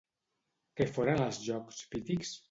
Què foren els Jocs Pítics?